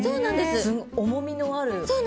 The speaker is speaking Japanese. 重みのある食感。